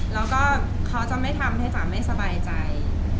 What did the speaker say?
แล้วก็เขาจะไม่ทำให้จ๋าไม่สบายใจ